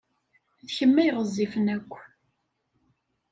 D kemm ay ɣezzifen akk.